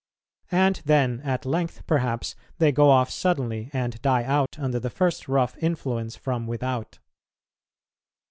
And then, at length, perhaps, they go off suddenly and die out under the first rough influence from without.